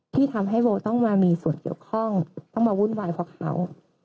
ที่ทำให้โบต้องมามีส่วนเกี่ยวข้องต้องมาวุ่นวายเพราะเขา